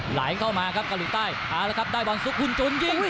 หลายเข้ามาครับเกาหลีใต้หาละครับได้บอลซุทคุญจุนศรี